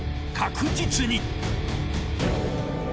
確実に。